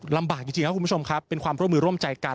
ลำบากจริงครับคุณผู้ชมครับเป็นความร่วมมือร่วมใจกัน